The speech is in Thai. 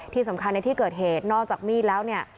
ที่สำคัญในที่เกิดเหตุนอกจากมีดแล้วเนี่ย